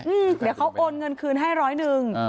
เดี๋ยวเขาโอนเงินคืนให้ร้อยหนึ่ง